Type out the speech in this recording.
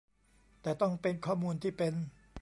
แต่ต้องเป็นข้อมูลที่เป็น